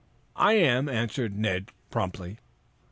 "I am," answered Ned promptly.